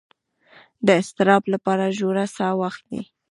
د اضطراب لپاره ژوره ساه واخلئ